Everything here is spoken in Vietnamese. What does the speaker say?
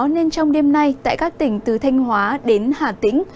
nên trong đêm nay tại các tỉnh từ thanh hóa đến hà tĩnh